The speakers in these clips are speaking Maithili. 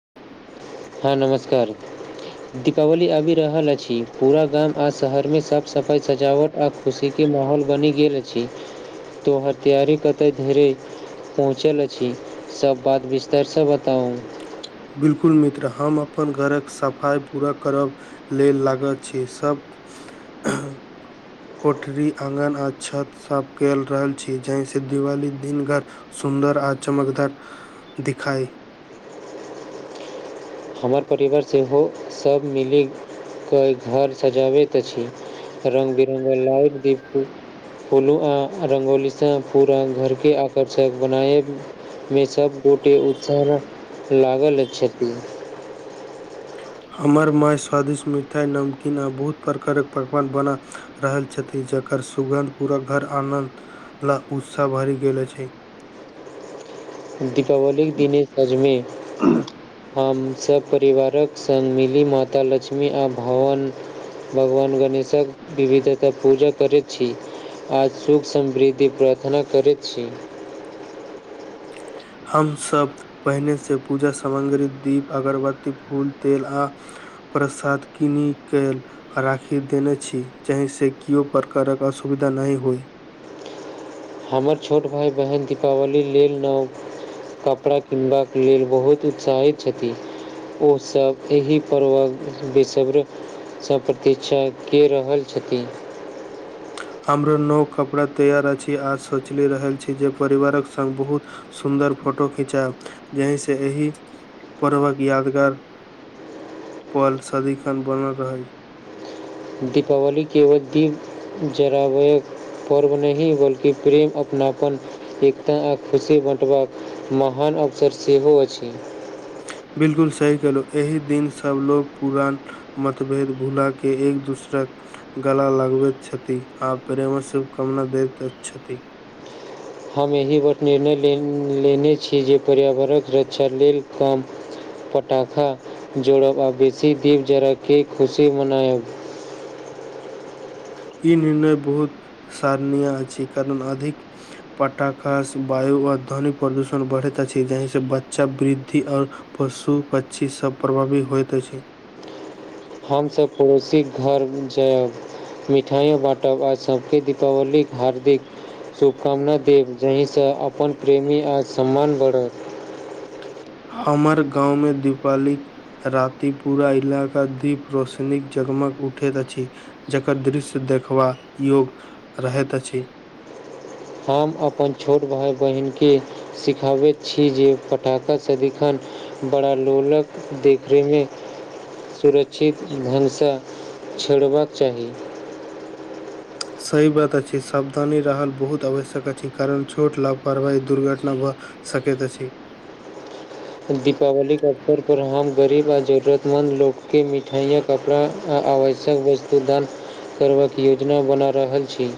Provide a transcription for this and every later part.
[inaudible] हँ नमस्कार दीपावली आबि रहल अछि पूरा गाम आ शहरमे साफ सफाइ सजावट आ खुशी की माहौल बनी गेल अछि तो हथियारी कत धरे पहुँचल अछि सब बात बिस्तारसँ बताउ बिल्कुल मित्र हम अपन घरक सफाइ पूरा करब लेल लागत छी सभ ह कोठरी आंगन आ छत सभ कल रहल छी जहिसँ दिवाली दिन भर सुन्दर आ चमकदार दिखाई हमर परिवार सेहो सभ मिली के घर सजाबैत अछि रंग बिरंग लाइट दीप उ फूलू आ रंगोलीसँ पूरा घरके आकर्षक बनाएब मे सब गोटे उत्साह लागल छथि हमर माय स्वादिष्ट मिठाइ नमकीन आ बहुत प्रकारक पकवान बना रहल छथि जकर सुगन्ध पूराक घर आनन्द ल उत्साह भरि गेल अछि दीपावलीके दिन सजमे हम सभ परिवारक संग मिली माता लक्ष्मी आ भावन भगवान गणेशक विविधता पूजा करैत छी आज सुख समृद्धि प्रार्थना करैत छी हमसभ पहिने से पूजा सामग्री दीप अगरबत्ती फूल तेल आ प्रसाद किनी के राखी देने छी जाहि से किओ प्रकारक असुविधा नहि होइ हमर छोट भाइ बहिन दीपावली लेल नाओ कपड़ा किनबाक लेल बहुत उत्साहित छथि ओ सब एहिह पर्व विस सँ प्रतीक्षा के रहल छथिन हमरो नव कपड़ा तैयार अछि आज सोचले रहल छी जे परिवारक संग बहुत सुन्दर फोटो खिंचाएब जहि से एहि पर्वक यादगार पल सदीखन बनल रहै दीपावलीके व भी जराय पर्व नही बल्कि प्रेम अपनापन एकता आ खुशी बँटबाक महान अवसर सेहो अछि बिलकुल सही केलहु एहि दिन सबलोग पुरान मतभेद भुला के एक दूसरक गला लगबैत छथि आ प्रेमक शुभकामना दैत छथि हम एहि बर निर्णय ले लेने छी जे पर्यावरण रक्षा लेल काम पटाखा जोड़ब आ बेसी दीप जरा क खुशी मनायब ई निर्णय बहुत सरनीयाह अछि कारण अधिक पटाख स वायु आ ध्वनि प्रदूषण बढ़ैत अछि जहहि से बच्चा वृद्धि आऔर पशु पक्षी सब प्रभावी होयइत अछि छै हमसभ पड़ोसीक घर जायब मिठाइयो बाँटब आ सबके दीपावली हार्दिक शुभकामना देब जाहिसँ अपन प्रेमी आ सम्मान बढ़त हमर गाँवमे दीपाली राति पूरा इलाका दीप रोशनीक जगमग उठैत अछि जकर दृश्य देखबा योग रहैत अछि हम अपन छोट भाइ बहिनके सिखाबैत छी जे पटखा सदिखन बड़ा लोलक देखेमे सुरक्षित ढनसँ छेड़बाक चाही सही बात अछि सावधानी रहल बहुत आवश्यक अछि कारण छोट लापरवाही दुर्घटना ब सकैत अछी दीपावलीके अवसर पर हम गरीब आओर जरूरतमन्द लोकके मिठाइयाँ कपड़ा आ आवश्यक वस्तु दान करबाक योजना बना रहल छी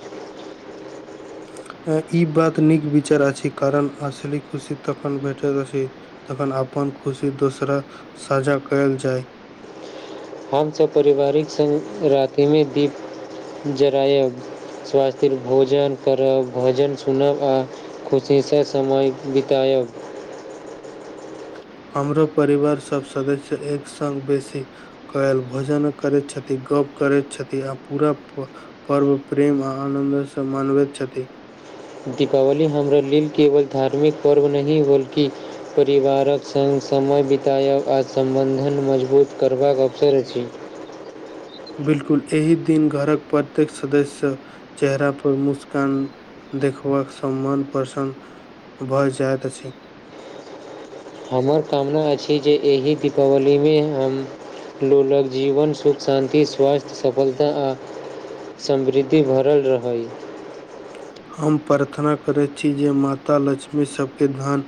ई बात नीक विचार अछि कारण असली खुशी तखन भेटैत अछि तखन अपन खुशी दोसरा साझा कयल जाय हमसब पारिवारिक सङ्ग रातिमे दीप जलायब स्वास्थ्य भोजन करब भजन सुनब आ खुशीसँ समय बितायब हमरो परिवार सब सदस्य एक संग बेसी कयल भोजन करै छथिन गप करैत छथिन आ पूरा पर्व प्रेम आ आनन्दसँ मनबैत छथि दीपावली हमरा लेल केवल धार्मिक पर्व नहि बल्कि परिवारक सङ्ग समय बितयब आ सम्बन्धन मजबूत करबाक अवसर अछि बिलकुल एहि दिन घरक प्रत्येक सदस्यसँ चेहरा पर मुस्कान देखबाक सम्मान प्रसन भऽ जायइत अछि हमर कामना अछि जे एहि दीपावलीमे हम लोकलक जीवन सुख शान्ति स्वास्थ्य सफलता आ समृद्धि भरल रहै हम प्रार्थना करैत छी जे माता लक्ष्मी सभके धन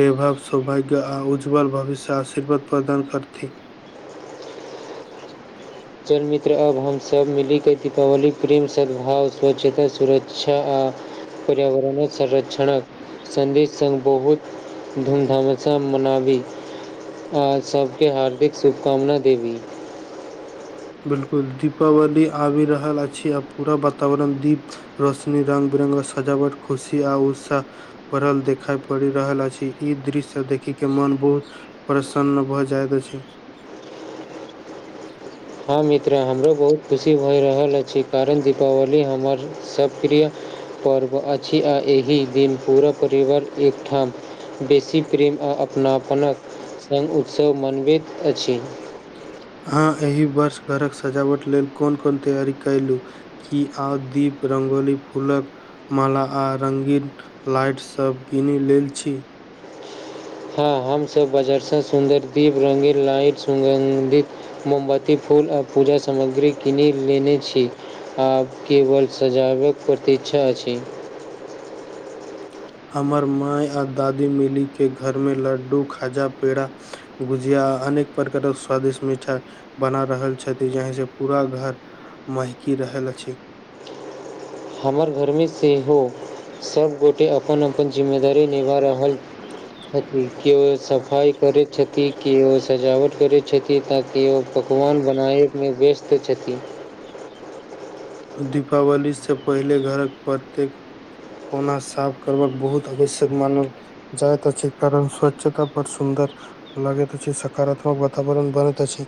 वैभाव सौभाग्य आ उज्ज्वल भविष्य आशीर्वाद प्रदान करती चल मित्र अब हमसभ मिलि कऽ दीपावली प्रेम सद्भाव स्वच्छता सुरक्षा आ पर्यावरणक संरक्षणक संदेश सङ्ग बहुत धूमधामसँ मनाबी आज सबके हार्दिक शुभकामना देबी बिलकुल दीपावली आबि रहल अछि आ पूरा वातावरण दीप रोशनी रंग बिरङ्गके सजावट खुशी आ उत्साह बढ़ल देखााय पड़ि रहल अछि इ दृश्य से देखिक के मन बहुत प्रसन्न भऽ जायत अछि हँ मित्रा हमरो बहुत खुशी भऽ रहल अछि कारण दीपावली हमर सबप्रिय पर्व अछि आ एहि दिन पूरा परिवार एकठाम बेसी प्रेम आ अपनापनक सङ्ग उत्सव मनबैत अछि अहाँ एहि वर्ष घरक सजावट लेल कोन कोन तैयारी कयलह क आ दीप रगोली फूल माला आ रङ्गन लाइट्सभ किनि लेल छी हँ हमस बजार से सुन्दर दीप रंगी लाइट सुगन्धि मोमबत्ती फूल आ पूजा सामग्री किनि लेने छ आब केवल सजाबक प्रतीक्षा अछ हमर माय आ दादी मिलीके घरमे लड्डू खाजा पेड़ गुजिया अनेक प्रकारक स्वादिष्ट मिठ बना रहल छथि जाहि से पूरा घर महकी रहल अछ हमर घरमे सेहो सभगोटे अपन अपन जिम्मेदारी निभा रह केओ सफाइ करै केओ सजावट रै छथि ताकि ओ पकवान बनायमे व्यस्त छथि दीपावलीसँ पहिले घरक प्रत्ये कहना साफ करबाकक बहुत आवश्यक मान जाए त छै कारण स्वच्छता पर सुन्द लगेैत अछि सकारात्मक वातावरण बनैत अछ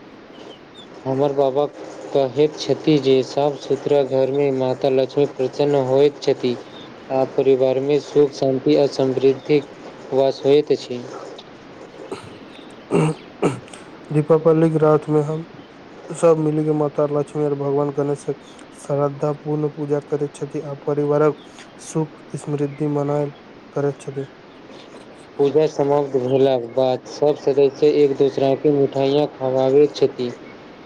हमर बाबाक कह छथि जे साफ सुथरा घरमे मता लक्ष्मी प्रसन्न होइ छथ आ परिवार मे सुख शान्ति आ समृद्धिक वास होइत अछ दीपावलीे रथमे ह सब मिली के माता लक्ष्मी आर भगवान गणे श्रद्धा पूर्ण पूजा करै छथि आ परिवार सुख समृद्धि मनायल करैत छथि पूजा समाप्त भेलाक बाद सब सदस्य एक दोसरा के मिठाइयाँ खवाबे छथ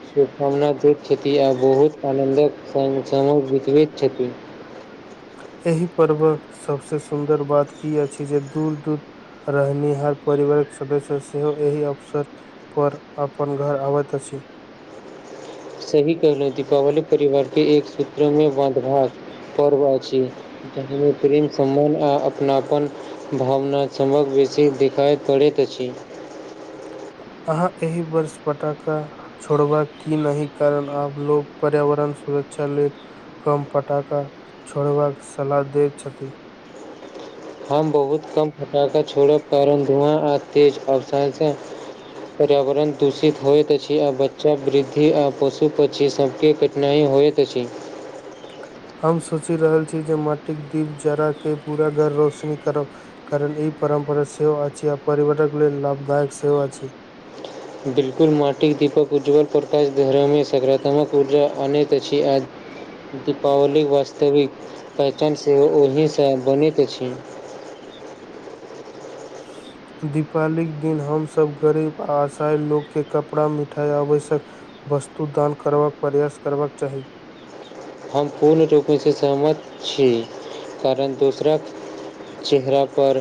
शुभकामना दैत छथिन आ बहुत आनन्दक संग समय बितबैत छथ एहि पर्वक सभसँ सुन्दर बात ई अछि जे दूध दू रहनि हर परिवारक सदस्य सेहो एहि अवस पर अपन घर अबैत अछ सही कहलहु दीपावली परिवार के एक सूत्र में बंधभाक पर्व अछ जखने प्रेम सम्मान आ अपनाप भावना सभक बेसी देखाइ पड़ैत अछ अहाँ एहि बर्ष पटाक छोड़बा की नहि कारण आब लोग पर्यावरण सुरक्षा ले कम पटाखा छोड़बाक सलाह दैत छथि हम बहुत कम फटााका छोड़ब कारण धुआँ आ तेज अवसानस पर्यावरण दूषित होइत अछि आ बच्चा वृद्धि आ पशु पक्षी सबक नहि होए तऽ छ हम सोचि रहल छी जे माटिक दीप जराके पूरा घर रोशनी कर कारण ई परम्परा सेहो अछि आ परिवारक लेल लाभदायक सेहो अछ बिल्कुल माटिक दीपक उज्ज्वल प्रकाश धरामे सकारात्मक ऊर्जा अनैत अछि दीपावली वास्तविक पहचान सेहो ओहिसँ बनैत अछ दीपावालीके दिन हमसभ गरीब आ असााय लोककेँ कपड़ा मिठाइ आबैश्य वस्तु दान करबाक प्रयास करबाक चाह हम पूर्ण रुप एहिसँ सहमत छी कारण दोसर चेहरा पर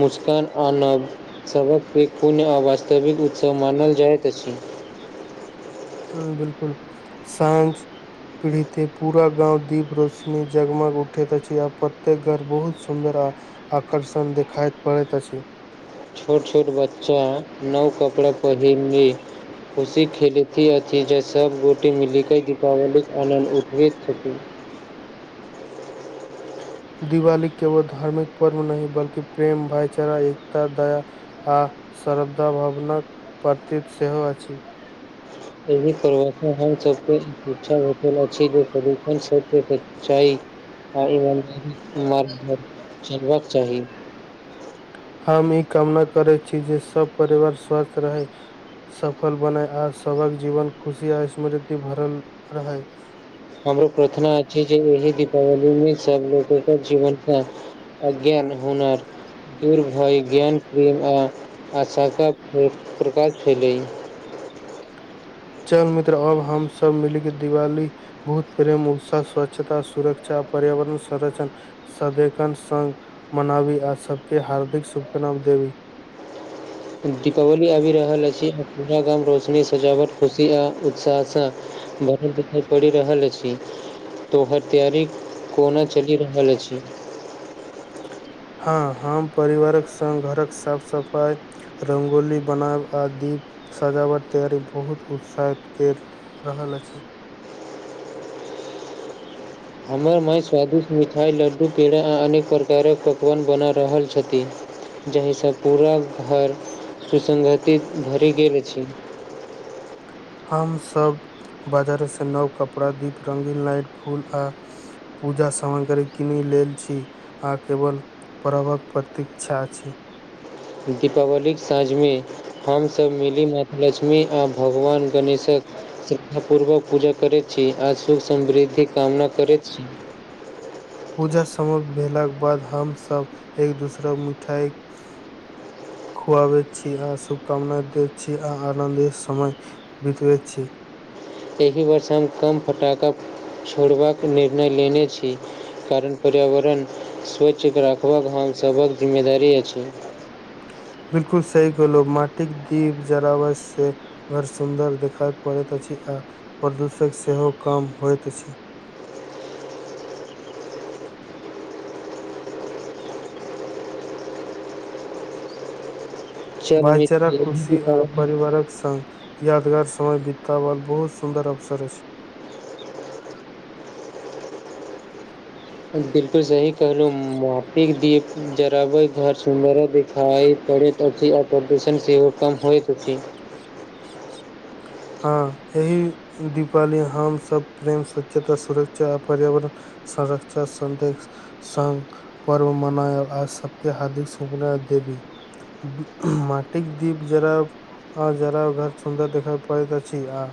मुस्कान आन सक प पुन आ वास्तविक उतसव मानल जायत छ ह बिलकुल साँ पीड़ीते पूरा गांव दीप रोशनी जगमग उठैत अछि आ प्रत्येक घर बहुत सुंदर आकर्षण देखााय पड़ैत अछ छोट छोट बच्चा नव कपड़ा पहिरन खुशी खेलथी अथी ज सब गोटी मिली कई दीपावली आनन्द उठबी छथ दिवाली केवल धार्मिक पर्व नही बल्कि प्रेम भाईचारा एकता दय आ श्रद्धा भवनक प्रतीत सेहो अछ एहि करब हम सबके इच्छा भेटल अछि जे प्रदूषण सबक चाही आ चलबाक चाही हम ई कामना करै छी जे सभ परिवार स्वस्थ रह सफल बनेय आ सबक जीवन खुशी आ स्मृति भरल है हमर प्रार्थना अछि जे एहि दीपावलीमे सब लोकके जीवनस अगेन हुन दूर भय ज्ञान प्रेम आ आशाका प्रकाश भेल चल मित्र अब हमसभ मिली के दिवाल भूत प्रेम उत्साह स्वच्छता सुरक्षा पर्यावरण संर्ष सदेखन सग मनावी आ सबके हार्दिक शुभकामना देव दीपावली आबि रहल अछि पूरा गाम रोशनी सजावट खुशी आ उत्साहस बढ़त दिखाइ पड़ि रहल अछ तोहर तैयारी कोना चलि रहल अछ हँ हम परिवारक संगङ्ग घरक साफ सफा र्गोली बनाब आ दीप सजावट तैयारी बहुत उत्साहित क रहल अछ हमर माँ स्वादिष्ट मिठाइ लड्डू पेड़ा आ अनेक प्रकारक पकवान बना रहल छथ जाहिसँ पूरा घर सुसगति भरि गेल अछ हमसभ बाजारेसँ नव कपड़ा दीप रंगीन लाइट फूल पूजा सामग्री किनि लेल छी आ केव पबक प्रतीक्षा अछ दीपावलीके साँझ हमसभ मिली माता लक्ष्मी आ भगवान गणेश श्रद्धा पूर्वक पूजा करै छी आ सु समृद्धि कामना करैत छी पूजा समाप्त भेलाक बाद हमसभ एक दोसराक मिठा खुआब छी आ शुभकामना दे छी आ आनन्दे सम बत प छ एहि वर्ष हम कम फटाका छोड़बाक निर्णय लेने छ कारण पर्यावरण स्वच्छ राखबाक हमसभक जिम्मेदारी अछ बिलकुल सही कहलो माटिके दीप जरावर स घर सुन्दर देखाय पड़ैत अछि आ प्रदूषक सेहो कम होइत अछ चल भाइचारा मित्र एहि खुशी आ दीपावली परिवार यादगार समय बीतता वाल बहुत सुंदर अवसर अछ बिलकुल सही कहिलहुँ महफिक दी जरावर घर सुन्दर देखाइ पड़ैत अछि आओ प्रदूषण सेहो कम होइत अछ हँ एह दीपावली हमसभ प्रेम स्वच्छता सुरक्षा आपर्यावरण संरक्षा सन्दे सग पर्व मनायल आ सबके हार्दिक सुभ दे माटिक दीप जरा जरा घर सुन्दर देख करैत छी अ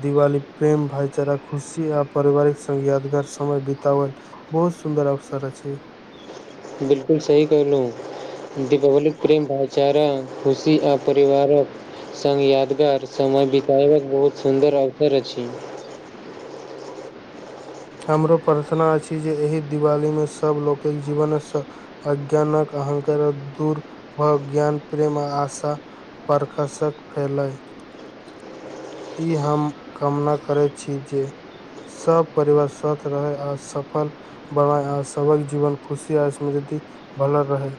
दिवाली प्रेम भाईचारा खुशी आ परिवारिक संग यादगार समय बताव बहुत सुन्दर अवसर छै बिलकु सही कहल दीपावली प्रेम भाईचारा खुशी आ परिवार संग यादगार समय बितयबाक बहुत सुन्दर अवसर अछ हमरो प्रार्थना अछि जे एहि दिवालीमे सभ लोकिक जीव अज्ञानक अहंकार दूर भ ज्ञान प्रेम आ आश प्रखसक फैल ई हम कामना करैत छी ज सब परिवार स्वस्थ रहै आओर सफ बनाय आ सबक जीवन खुशी आ स्मृति भल रह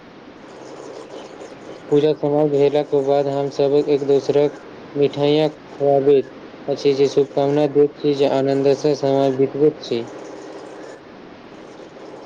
पूजा समय भेलाे बाद हम सब एक दोसराक मिठाइया खुआब अ जे शुभकामना द छी जे आनन्दसँ समाज बितब छ